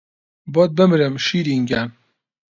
بۆت بمرم شیرین گیان